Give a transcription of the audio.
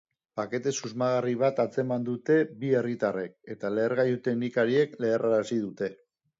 Pakete susmagarri bat atzeman dute bi herritarrek, eta lehergailu-teknikariek leherrarazi dute.